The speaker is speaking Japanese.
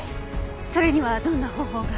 それにはどんな方法が？